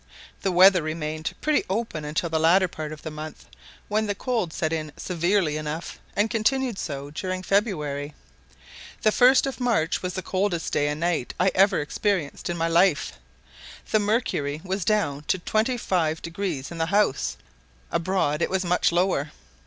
The weather remained pretty open till the latter part of the month, when the cold set in severely enough, and continued so during February. The 1st of March was the coldest day and night I ever experienced in my life; the mercury was down to twenty five degrees in the house; abroad it was much lower.